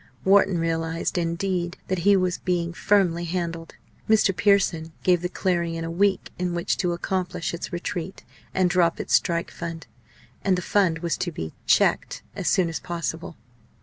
Wharton realised, indeed, that he was being firmly handled. Mr. Pearson gave the Clarion a week in which to accomplish its retreat and drop its strike fund. And the fund was to be "checked" as soon as possible.